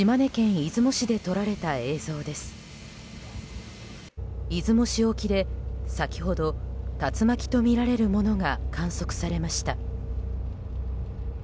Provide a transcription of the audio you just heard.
出雲市沖で、先ほど竜巻とみられるものが観測されました。